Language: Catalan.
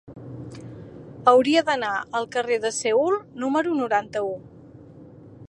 Hauria d'anar al carrer de Seül número noranta-u.